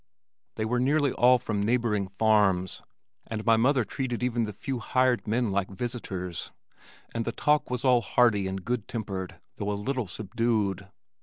They were nearly all from neighboring farms, and my mother treated even the few hired men like visitors, and the talk was all hearty and good tempered though a little subdued.